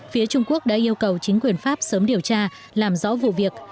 phía trung quốc đã yêu cầu chính quyền pháp sớm điều tra làm rõ vụ việc